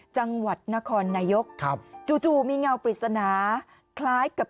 จังหวัดนครนายกจู่มีเงาปริศนา